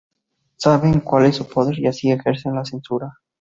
Saben cual es su poder y así, ejercen la censura